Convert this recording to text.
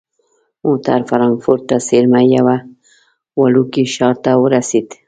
موټر فرانکفورت ته څیرمه یوه وړوکي ښار ته ورسید.